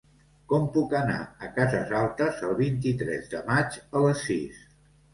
Com puc anar a Cases Altes el vint-i-tres de maig a les sis?